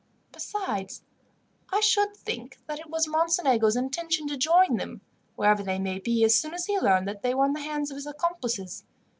Besides, I should think that it was Mocenigo's intention to join them, wherever they may be, as soon as he learned that they were in the hands of his accomplices.